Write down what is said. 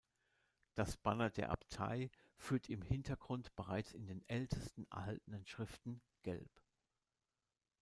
Das Banner der Abtei führt im Hintergrund bereits in den ältesten erhaltenen Schriften Gelb.